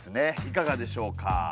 いかがでしょうか？